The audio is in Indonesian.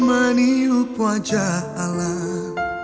meniup wajah alam